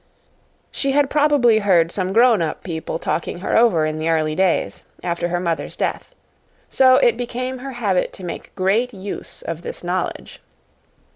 She had probably heard some grown up people talking her over in the early days, after her mother's death. So it became her habit to make great use of this knowledge.